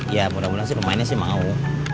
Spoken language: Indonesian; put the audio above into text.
ya mudah mudahan sih pemainnya sih mau